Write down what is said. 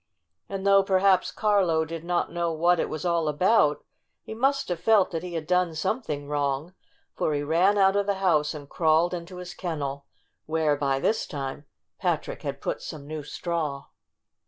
And though perhaps Carlo did not know what it was all about, he must have felt that he had done something wrong, for he ran out of the house and crawled into his kennel, where, by this time, Patrick had put some new straw.